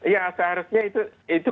ya seharusnya itu